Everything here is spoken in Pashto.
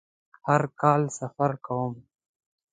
هر کال سفر کوم